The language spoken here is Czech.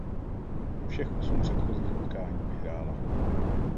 Všech osm předchozích utkání vyhrála.